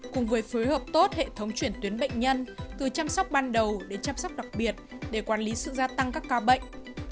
cùng với phối hợp tốt hệ thống chuyển tuyến bệnh nhân từ chăm sóc ban đầu đến chăm sóc đặc biệt để quản lý sự gia tăng các ca bệnh